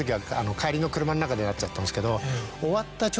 帰りの車の中でなっちゃったんすけど。